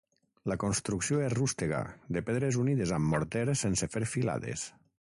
La construcció és rústega de pedres unides amb morter sense fer filades.